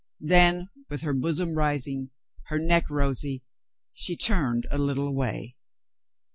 Then, with her bosom rising, her neck rosy, she turned a little away.